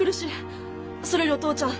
それよりお父ちゃん